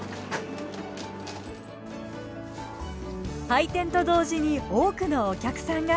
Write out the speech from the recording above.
開店と同時に多くのお客さんが。